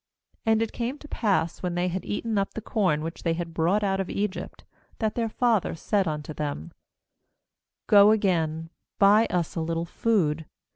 2And it came to pass, when they had eaten up the corn which they had brought out of Egypt, that their 53 43.2 GENESIS father said unto them: 'Go again, buy us a little food.